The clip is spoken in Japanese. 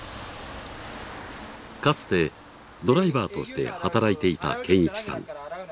かつてドライバーとして働いていた堅一さん。